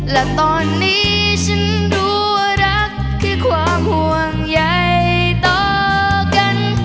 และตอนนี้ฉันรู้ว่ารักคือความห่วงใหญ่ต่อกัน